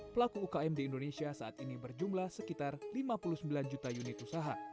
pelaku ukm di indonesia saat ini berjumlah sekitar lima puluh sembilan juta unit usaha